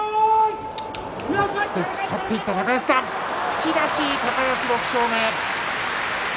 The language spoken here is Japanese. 突き出し、高安６勝目。